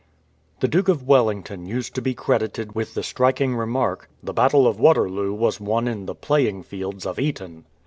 THE Duke of Wellington used to be credited with the striking remark, " The battle of Waterloo was won in the playing fields of Eton."